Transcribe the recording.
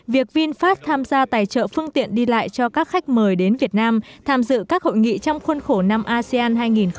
việc vinfast tham gia tài trợ phương tiện đi lại cho các khách mời đến việt nam tham dự các hội nghị trong khuôn khổ năm asean hai nghìn hai mươi